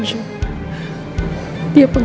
lu udah ngapain